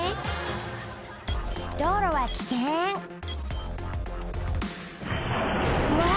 道路は危険うわ